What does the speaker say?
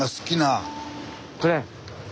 これ？